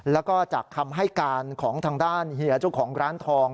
แล้วก็จากคำให้การของทางด้านเฮียเจ้าของร้านทอง